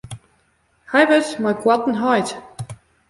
Hy wurdt mei koarten heit.